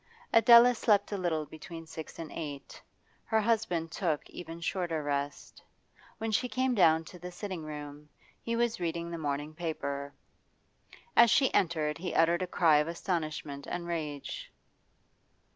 Adela slept a little between six and eight; her husband took even shorter rest. When she came down to the sitting room, he was reading the morning paper. As she entered he uttered a cry of astonishment and rage.